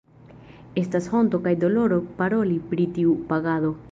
Estas honto kaj doloro paroli pri tiu pagado.